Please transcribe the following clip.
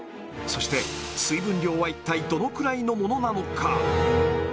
そして水分量は一体どのくらいのものなのか？